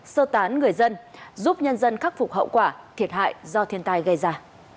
sơ tán người dân giúp nhân dân khắc phục hậu quả thiệt hại do thiên tai gây ra